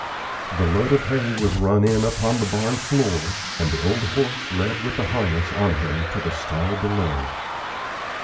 The load of hay was run in upon the barn floor, and the old horse led with the harness on him to the stall below.